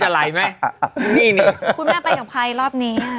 คุณแม่ไปกับใครรอบนี้